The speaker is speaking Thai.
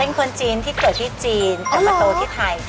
เป็นคนจีนที่เกิดที่จีนแต่มาโตที่ไทย